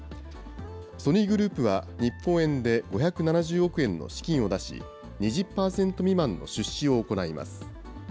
ソニーグループは日本円で５７０億円の資金を出し、２０％未満の出資を行います。